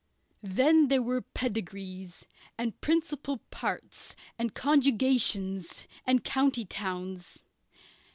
Then there were pedigrees, and principal parts and conjugations, and county towns.